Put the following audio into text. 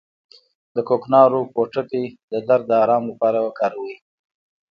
د کوکنارو پوټکی د درد د ارام لپاره وکاروئ